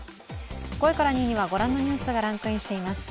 ５位から２位にはご覧のニュースがランクインしています。